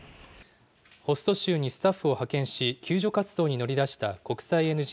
ホスト州にスタッフを派遣し、救助活動に乗り出した国際ＮＧＯ